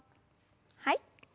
はい。